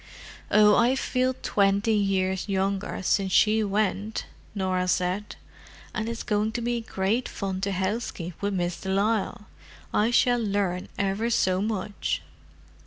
"Oh, I feel twenty years younger since she went!" Norah said. "And it's going to be great fun to housekeep with Miss de Lisle. I shall learn ever so much."